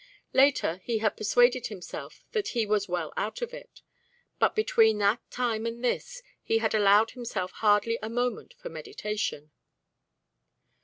Later, he had persuaded himself that he was well out of it; but between that time and this he had allowed himself hardly a moment for meditation.